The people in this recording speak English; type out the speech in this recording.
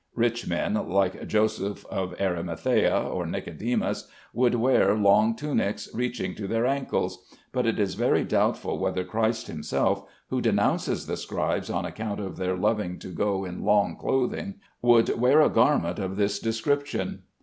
Rich men, like Joseph of Arimathea or Nicodemus, would wear long tunics reaching to their ankles; but it is very doubtful whether Christ himself, who denounces the scribes on account of their loving to go in long clothing, would wear a garment of this description.